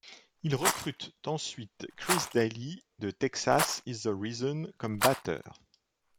Ils recrutent ensuite Chris Daly, de Texas Is the Reason, comme batteur.